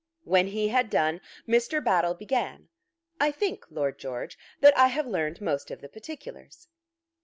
When he had done, Mr. Battle began. "I think, Lord George, that I have learned most of the particulars."